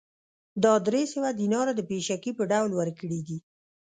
دا درې سوه دیناره د پېشکي په ډول ورکړي دي